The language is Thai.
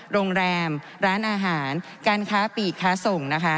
โรงแรมร้านอาหารการค้าปีกค้าส่งนะคะ